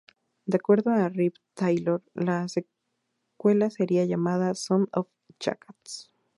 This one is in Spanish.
De acuerdo a Rip Taylor, la secuela sería llamada "Son of Jackass".